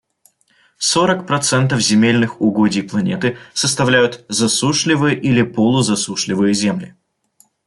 Сорок процентов земельных угодий планеты составляют засушливые или полузасушливые земли.